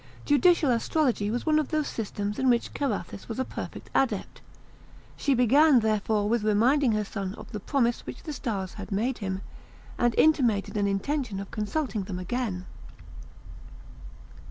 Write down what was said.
Judicial astrology was one of those systems in which Carathis was a perfect adept; she began, therefore, with reminding her son of the promise which the stars had made him, and intimated an intention of consulting them again.